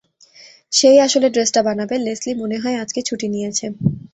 সেই আসলে ড্রেসটা বানাবে, লেসলি মনেহয় আজকে ছুটি নিয়েছে।